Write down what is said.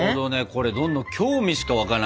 これどんどん興味しか湧かないね。